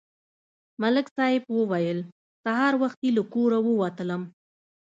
ملک صاحب ویل: سهار وختي له کوره ووتلم.